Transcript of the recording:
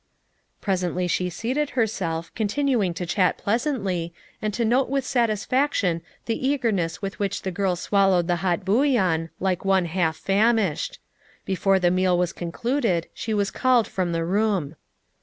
Presently she seated herself, continuing to chat pleasantly, and to note with satisfaction the eagerness with which the girl swallowed the hot bouillon, like one half famished. Before the meal was concluded, she was called from the room.